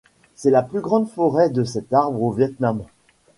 C'est la plus grande forêt de cet arbre au Viêt Nam.